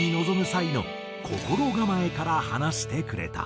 際の心構えから話してくれた。